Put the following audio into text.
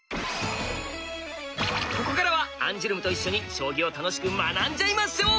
ここからはアンジュルムと一緒に将棋を楽しく学んじゃいましょう！